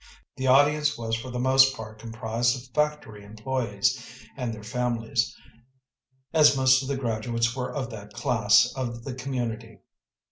The audience was for the most part composed of factory employés and their families, as most of the graduates were of that class of the community.